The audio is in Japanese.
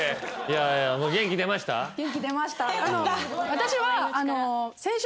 私は。